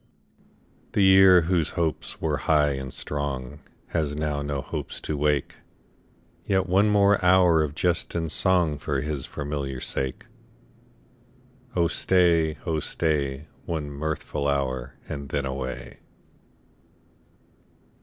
The year, whose hopes were high and strong, Has now no hopes to wake ; Yet one hour more of jest and song For his familiar sake. Oh stay, oh stay, One mirthful hour, and then away.